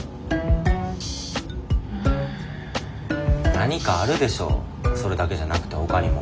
何かあるでしょそれだけじゃなくてほかにも。